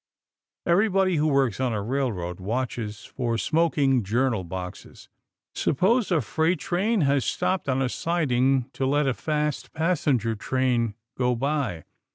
Everybody who works on a railroad watches for smoking journal boxes. Suppose a freight train has stopped on a siding to let a fast passenger train go by.